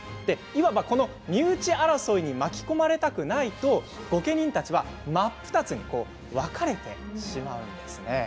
いわばこの身内争いに巻き込まれたくないと御家人たちは真っ二つに分かれてしまうんです。